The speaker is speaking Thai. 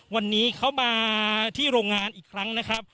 วันนี้เขามาที่โรงงานอีกครั้งนะครับ